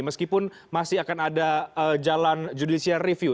meskipun masih akan ada jalan judicial review